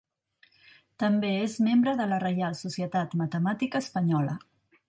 També és membre de la Reial Societat Matemàtica Espanyola.